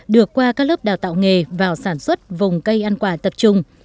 được qua các lớp đào tạo nghề vào sản xuất vùng cây ăn quả tập trung